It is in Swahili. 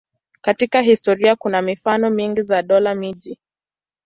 Katika historia kuna mifano mingi ya dola-miji.